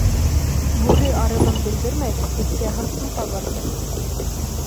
Бүре арығын белдермәҫ, эткә һыртын ҡабартыр.